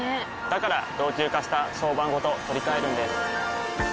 から老朽化した床版ごと取り替えるんです。